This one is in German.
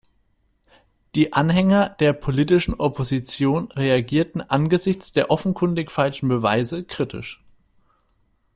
Die Anhänger der politischen Opposition reagierten angesichts der offenkundig falschen Beweise kritisch.